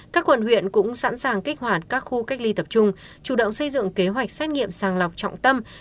các quận huyện cũng sẵn sàng kích hoạt các khu cách ly tập trung chủ động xây dựng kế hoạch xét nghiệm sàng lọc trọng tâm